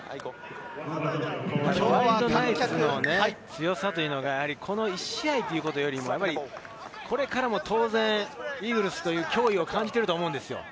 ワイルドナイツの強さがこの１試合ということよりも、これからも当然、イーグルスという脅威を感じていると思うんです。